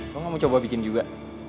gue gak mau coba bikin juga